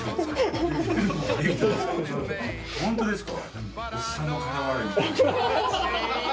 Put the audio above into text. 本当ですか？